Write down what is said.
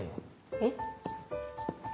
えっ？